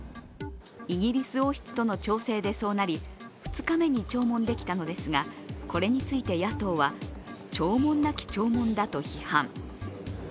イギリス王室との調整でそうなり、２日目に弔問できたのですがこれについて野党は、弔問なき弔問だと批判。